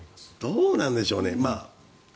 どうなんでしょうね。